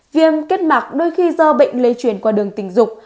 viêm kết mạc đôi khi do bệnh lây truyền qua đường tình dục